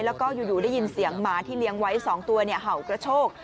แล้วก็อยู่ได้ยินเสียงหมาที่เลี้ยงไว้๒ตัวเห่ากระโชก